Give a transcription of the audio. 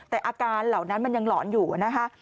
แต่อาการเหล่านั้นมันยังหลอนอยู่นะคะ